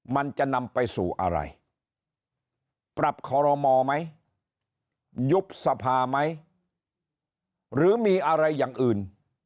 มันจะนำไปสู่อะไรปรับคอรมอไหมยุบสภาไหมหรือมีอะไรอย่างอื่น